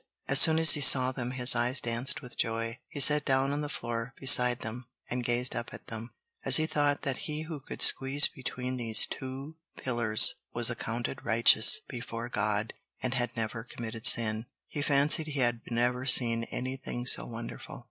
As soon as he saw them, his eyes danced with joy. He sat down on the floor beside them, and gazed up at them. As he thought that he who could squeeze between these two pillars was accounted righteous before God and had never committed sin, he fancied he had never seen anything so wonderful.